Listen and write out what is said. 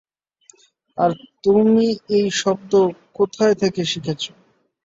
আর তুমি এই শব্দ কোথায় থেকে শিখেছ?